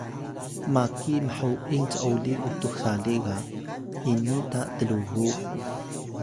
maki mho’in c’oli utux sali ga ini ta tlubuw